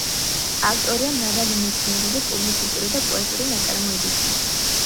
ავტორია მრავალი მეცნიერული პუბლიცისტური და პოეტური ნაწარმოებისა.